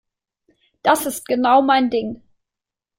Das ist genau mein Ding.